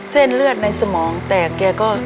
เส้นเลือดในสมองแตกแกก็